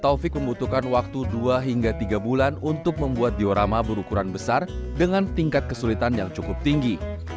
taufik membutuhkan waktu dua hingga tiga bulan untuk membuat diorama berukuran besar dengan tingkat kesulitan yang cukup tinggi